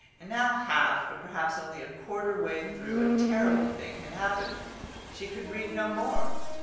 And now half, or perhaps only a quarter, way through a terrible thing had happened. She could read no more.